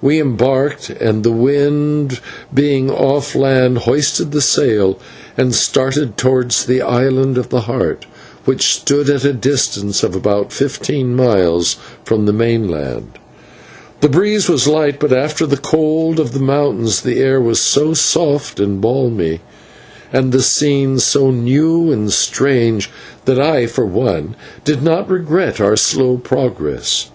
We embarked, and, the wind being off land, hoisted the sail and started towards the Island of the Heart, which stood at a distance of about fifteen miles from the mainland. The breeze was light, but after the cold of the mountains the air was so soft and balmy, and the scene so new and strange, that I, for one, did not regret our slow progress.